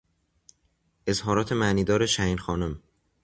اظهارات معنیدار شهینخانم